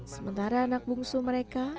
sementara anak bungsu mereka